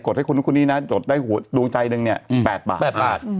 กดให้คุณณคุณนี้นะโดรงใจนึง๘บาท